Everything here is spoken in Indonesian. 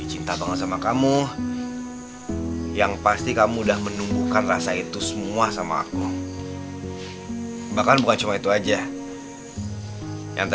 izin supaya aku bisa mencintai anak pabda tanda